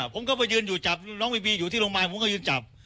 ผมก็ยืนจับน้องบีบียุที่โรงพยาบาลผมก็ยืนจับ